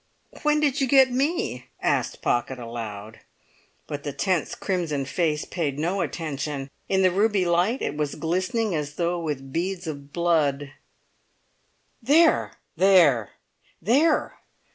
"When did you get me?" asked Pocket aloud. But the tense crimson face paid no attention; in the ruby light it was glistening as though with beads of blood. "There! there! there!"